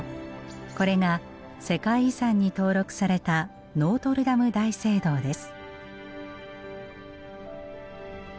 これが世界遺産に登録されたノートルダム大聖堂です。